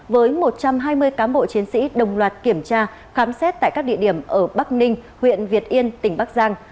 với một trăm hai mươi cán bộ chiến sĩ đồng loạt kiểm tra khám xét tại các địa điểm ở bắc ninh huyện việt yên tỉnh bắc giang